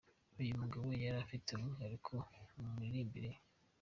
Uyu mugabo yari afite umwihariko mu miririmbire ye.